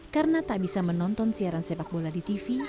karena tak bisa menonton siaran sepak bola di tv